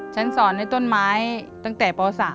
ฉันสอนในต้นไม้ตั้งแต่ป๓